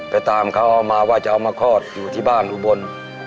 ไปตามเขาเอามาว่าจะเอามาคลอดอยู่ที่บ้านอุบล